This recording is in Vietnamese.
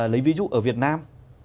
lấy ví dụ ở việt nam